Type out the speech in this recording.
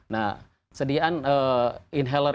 nah sediaan inhaler